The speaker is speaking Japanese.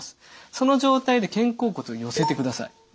その状態で肩甲骨を寄せてください。